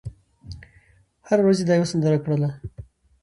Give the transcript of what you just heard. هره ورځ یې دا یوه سندره کړله